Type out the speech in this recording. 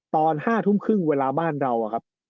ตอน๕ทุ่มครึ่งเวลาบ้านเราครับ